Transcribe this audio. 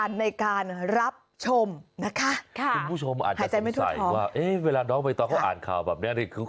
นี่คืออาการของเขา